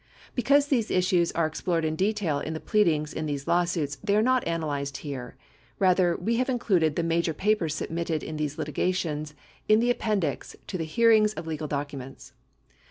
Because these issues are ex plored in detail in the pleadings in these lawsuits, they are not analyzed here; rather, we have included the major papers submitted in these litigations in the Appendix to the Hearings of Legal Documents.